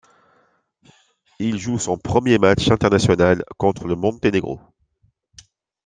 Il joue son premier match international contre le Monténégro.